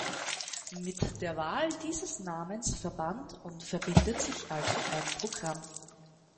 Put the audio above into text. Mit der Wahl dieses Namens verband und verbindet sich also ein Programm.